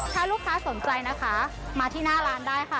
ถ้าลูกค้าสนใจนะคะมาที่หน้าร้านได้ค่ะ